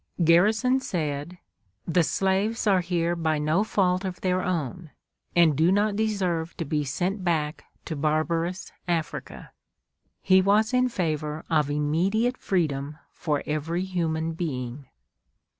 Garrison said, "The slaves are here by no fault of their own, and do not deserve to be sent back to barbarous Africa." He was in favor of immediate freedom for every human being.